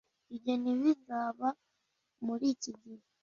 Ibyo ntibizaba muri iki gihe.